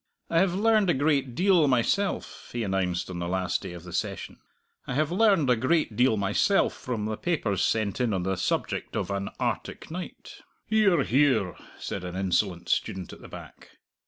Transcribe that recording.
"I have learned a great deal myself," he announced on the last day of the session "I have learned a great deal myself from the papers sent in on the subject of an 'Arctic Night.'" "Hear, hear!" said an insolent student at the back.